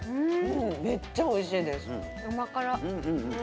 めっちゃおいしいです。